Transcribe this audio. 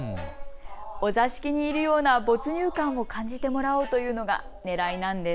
お座敷にいるような没入感を感じてもらおうというのがねらいなんです。